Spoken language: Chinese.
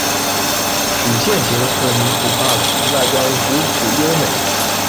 曲线形混凝土坝体外观古朴优美。